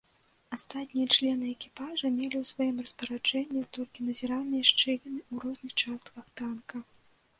Астатнія члены экіпажа мелі ў сваім распараджэнні толькі назіральныя шчыліны ў розных частках танка.